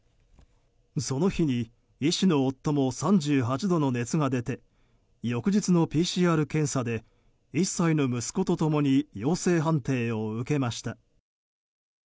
その日に医師の夫も３８度の熱が出て翌日のＰＣＲ検査で１歳の息子と共に陽性判定を受けました。